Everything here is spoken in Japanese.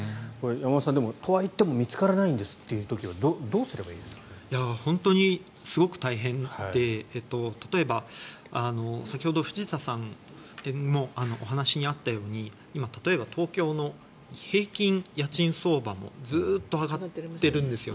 山本さん、とはいっても見つからないんですという時は本当にすごく大変で例えば、先ほど藤田さんのお話にあったように今、例えば東京の平均家賃相場もずっと上がってるんです。